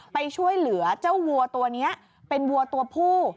ไปช่วยเหลือเจ้าวัวตัวนี้เป็นวัวตัวผู้